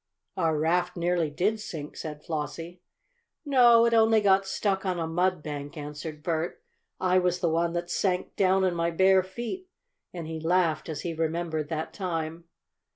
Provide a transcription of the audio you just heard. "Our raft nearly did sink," said Flossie. "No, it only got stuck on a mud bank," answered Bert. "I was the one that sank down in my bare feet," and he laughed as he remembered that time.